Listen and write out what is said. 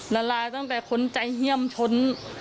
ละลายตั้งแต่คนใจเฮี่ยมชน